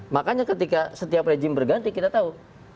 makanya ketika setiap rejim berganti kita tahu